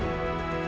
saya eu goldberg